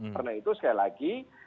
karena itu sekali lagi